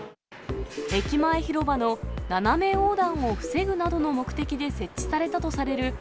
駅前広場の斜め横断を防ぐなどの目的で設置されたとされる